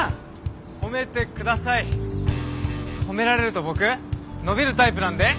褒められると僕伸びるタイプなんで。